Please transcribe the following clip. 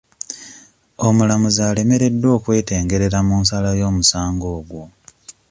Omulamuzi alemereddwa okwetengerera mu nsala y'omusango ogwo.